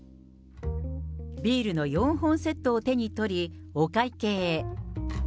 ビールの４本セットを手に取り、お会計。